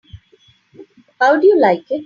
How do you like it?